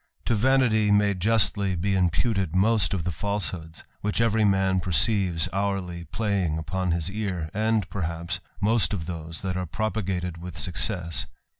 To vanity may justly be imputed most of the falsehoods, »hicli every man perceives hourly playing upon his ear, and, lerhapE, most of those that are propagated with success.